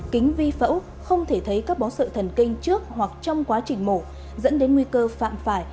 kính vi phẫu không thể thấy các bó sợi thần kinh trước hoặc trong quá trình mổ dẫn đến nguy cơ phạm phải